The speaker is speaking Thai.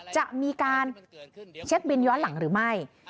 จะมีการเช็คบินย้อนหลังหรือไม่